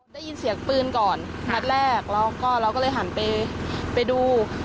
ได้ยินเสียงปืนก่อนนัดแรกเราก็เลยหันไปดู